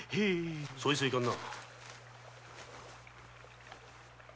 そいつはいかんな。